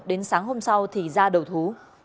đến sáng hôm sau thì ra đầu thú